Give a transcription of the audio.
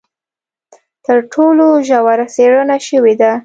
تر ټولو ژوره څېړنه شوې ده.